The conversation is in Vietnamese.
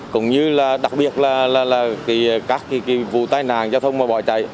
cũng như là đặc biệt là các vụ tai nạn giao thông và bỏ chạy